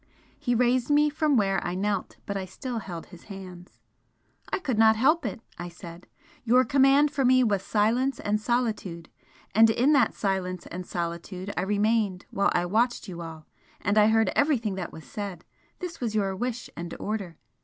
He raised me from where I knelt, but I still held his hands. "I could not help it!" I said "Your command for me was 'silence and solitude' and in that silence and solitude I remained while I watched you all, and I heard everything that was said this was your wish and order.